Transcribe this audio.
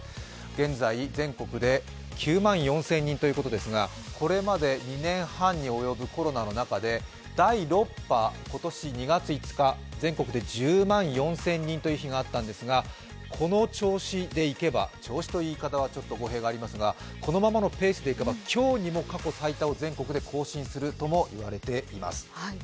現在、全国で９万４０００人ということですが、これまで２年半におよぶコロナの中で第６波、今年２月５日、全国で１０万４０００人という日があったんですが、この調子でいけば、調子という言い方は語弊がありますがこのままのペースでいけば、今日にも過去最多を全国で更新するとも言われています。